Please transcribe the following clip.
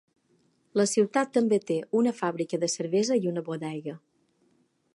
La ciutat també té una fàbrica de cervesa i una bodega.